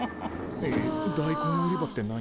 大根売り場って何？